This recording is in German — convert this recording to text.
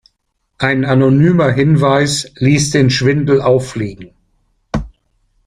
Ein anonymer Hinweis ließ den Schwindel auffliegen.